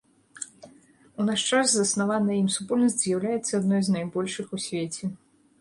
У наш час заснаваная ім супольнасць з'яўляецца адной з найбольшых у свеце.